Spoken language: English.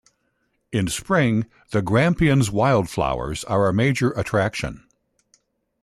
In spring the Grampians wildflowers are a major attraction.